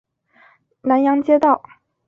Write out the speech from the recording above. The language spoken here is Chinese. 南阳街道